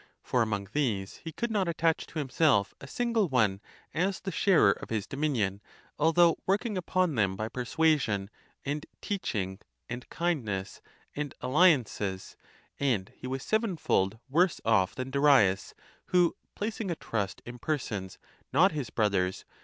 For among these he could not attach to himself a single one as the sharer of his dominion, although working upon them by persuasion, and teaching, and kindnesses, and alliances ; and he was sevenfold worse off than Darius; who, placing a trust in persons not his brothers,®?